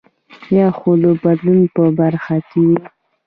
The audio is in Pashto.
یا هم د بدلون په برخه کې وي.